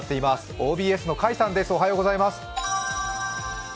ＯＢＳの甲斐さんです。